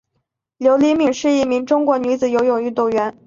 刘黎敏是一名中国女子游泳运动员。